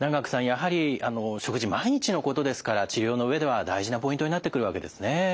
やはり食事毎日のことですから治療の上では大事なポイントになってくるわけですね。